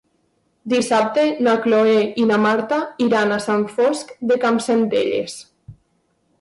Dissabte na Cloè i na Marta iran a Sant Fost de Campsentelles.